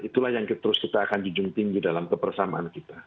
itulah yang terus kita akan jujur tinggi dalam kebersamaan kita